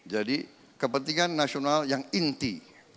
jadi kepentingan nasional yang inti